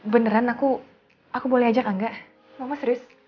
beneran aku boleh ajak angga mama serius